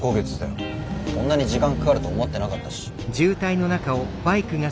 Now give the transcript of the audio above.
こんなに時間かかると思ってなかったし。